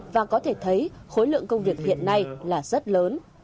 và có thể thấy khối lượng công việc hiện nay là rất lớn